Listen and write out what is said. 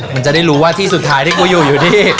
มันจะได้รู้ว่าที่สุดท้ายที่กูอยู่อยู่ที่